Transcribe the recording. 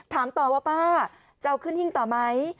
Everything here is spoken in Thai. ถามต่อว่าป้าจะเอาขึ้นหิ้งต่อไหม